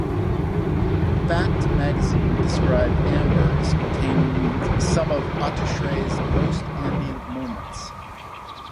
"Fact" magazine described "Amber" as containing "some of Autechre's most ambient moments".